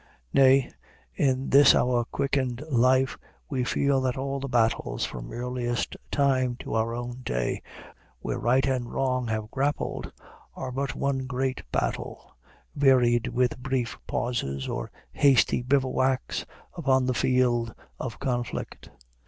Nay, in this our quickened life we feel that all the battles from earliest time to our own day, where Right and Wrong have grappled, are but one great battle, varied with brief pauses or hasty bivouacs upon the field of conflict.